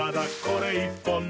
これ１本で」